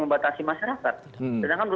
membatasi masyarakat sedangkan menurut